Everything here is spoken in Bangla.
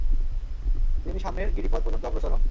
তিনি সামনের গিরিপথ পর্যন্ত অগ্রসর হন।